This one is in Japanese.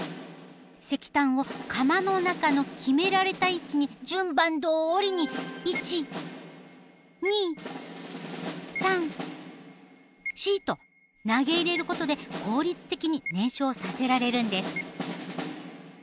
石炭を窯の中の決められた位置に順番どおりに１２３４と投げ入れることで効率的に燃焼させられるんです。